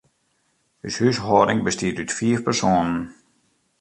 Us húshâlding bestiet út fiif persoanen.